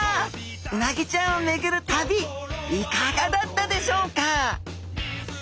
うなぎちゃんを巡る旅いかがだったでしょうか？